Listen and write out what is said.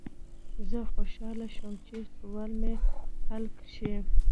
زه خوشحاله شوم چې سوال به مې حل شي.